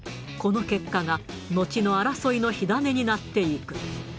この結果がのちの争いの火種になっていく。